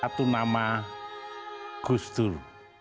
satu nama gustur